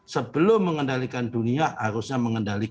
sebelum mengendalikan dunia harusnya mengendalikan